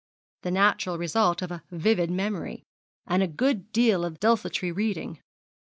'The natural result of a vivid memory, and a good deal of desultory reading.'